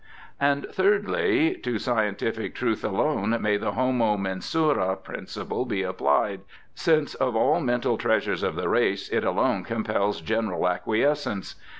And, thirdly, to scientific truth alone may the homo mensura principle be applied, since of all mental treasures of the race it alone compels general acquiescence.